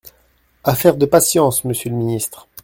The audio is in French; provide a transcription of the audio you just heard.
Affaire de patience, monsieur le ministre.